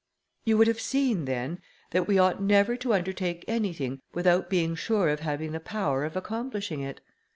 "You would have seen then, that we ought never to undertake anything without being sure of having the power of accomplishing it.